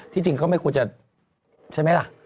ที่จริงก็ไม่ควรจะใช่ไหมล่ะ